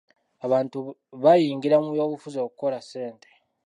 Abantu bayingira mu by'obufuzi okukola ssente.